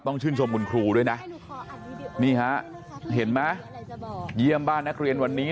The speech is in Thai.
ชื่นชมคุณครูด้วยนะนี่ฮะเห็นไหมเยี่ยมบ้านนักเรียนวันนี้